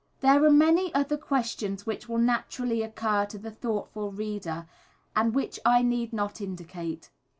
There are many other questions which will naturally occur to the thoughtful reader, and which I need not indicate.